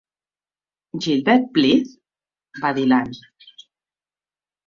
"Gilbert Blythe?", va dir l'Anne.